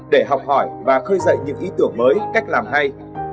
để học hỏi và khơi dậy những ý tưởng mới cách làm hay